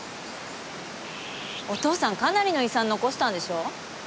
お父さんかなりの遺産残したんでしょ？